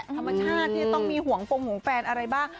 ธรรมชาติที่จะต้องมีห่วงฟงห่วงแฟนอะไรบ้าง